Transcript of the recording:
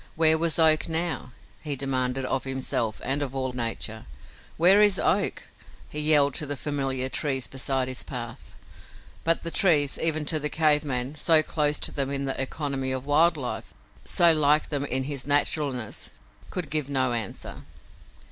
Where was Oak now? he demanded of himself and of all nature. "Where is Oak?" he yelled to the familiar trees beside his path. But the trees, even to the cave man, so close to them in the economy of wild life, so like them in his naturalness, could give no answer.